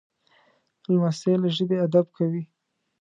لمسی له ژبې ادب کوي.